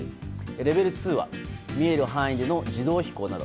レベル２は見える範囲での自動飛行など。